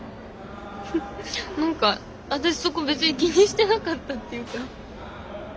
何か私そこ別に気にしてなかったっていうか。